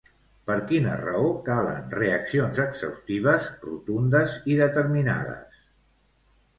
Per quina raó calen reaccions exhaustives, rotundes i determinades?